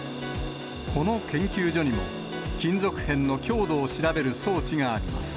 この研究所にも、金属片の強度を調べる装置があります。